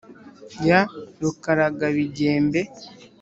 ya rukaragabigembe;